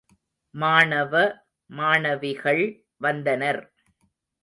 மாணவ, மாணவிகள் வந்தனர்.